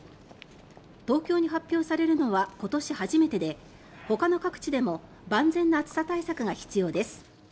東京に発表されるのは今年初めてでほかの各地でも万全な暑さ対策が必要です。